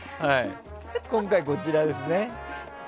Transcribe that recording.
今回、こちらですね。